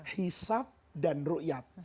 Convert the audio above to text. hisab dan ru'yat